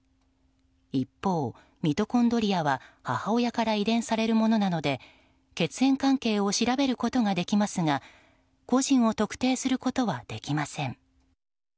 一方、ミトコンドリアは母親から遺伝されるものなので血縁関係を調べることができますが個人を特定することはできません。